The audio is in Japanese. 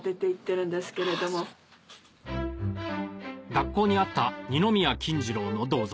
学校にあった二宮金次郎の銅像